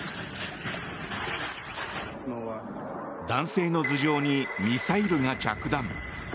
男性の頭上にミサイルが着弾。